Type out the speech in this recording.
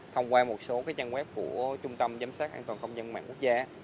thông qua một số trang web của trung tâm giám sát an toàn không gian mạng quốc gia